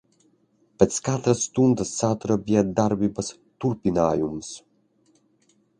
Pēc katras stundas satura bija darbības turpinājums.